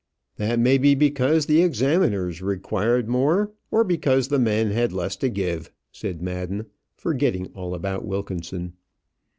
"That may be because the examiners required more, or because the men had less to give," said Madden, forgetting all about Wilkinson.